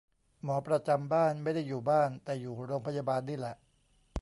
หมอประจำบ้าน ไม่ได้อยู่บ้าน แต่อยู่โรงพยาบาลนี่แหละ